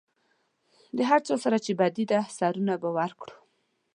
د هر چا سره چې بدي ده سرونه به ورکړو.